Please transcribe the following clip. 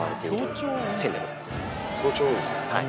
はい。